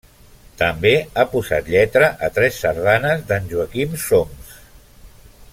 També ha posat lletra a tres sardanes d'en Joaquim Soms.